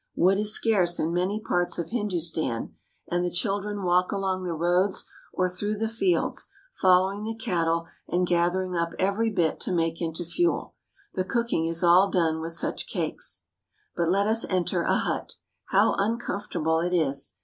Wood is scarce in many parts of Hindustan, and 258 THE VILLAGES OF INDIA the children walk along the roads or through the fields, following the cattle and gathering up every bit to make into fuel. The cooking is all done with such cakes. But let us enter a hut! How uncomfortable it is!